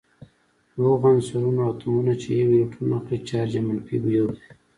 د هغو عنصرونو اتومونه چې یو الکترون اخلي چارج یې منفي یو دی.